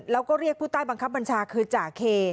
แล้วก็เรียกผู้ใต้บังคับบัญชาคือจ่าเค